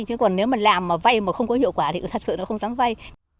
chứ còn nếu mà làm mà vay mà không có hiệu quả thì thật sự nó không dám vay